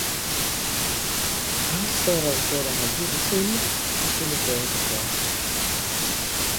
a zer aukera galdu duzun ixilik egotekoa